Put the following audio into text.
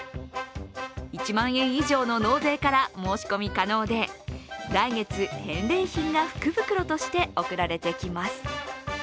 １万円以上の納税から申し込み可能で来月、返礼品が福袋として送られてきます。